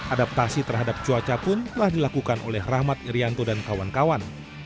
adaptasi terhadap cuaca pun telah dilakukan oleh rahmat irianto dan kawan kawan